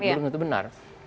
belum tentu benar